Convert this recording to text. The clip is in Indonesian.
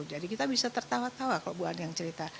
jadi kita bisa tertawa tawa kalau ibu ani yang cerita